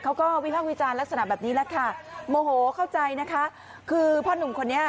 วิภาควิจารณ์ลักษณะแบบนี้แหละค่ะโมโหเข้าใจนะคะคือพ่อนุ่มคนนี้